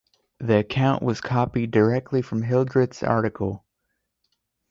The account was copied directly from Hildreth's article.